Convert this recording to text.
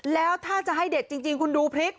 แล้วถ้าจะให้เด็ดจริงคุณดูพริก